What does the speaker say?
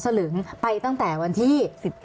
สลึงไปตั้งแต่วันที่๑๗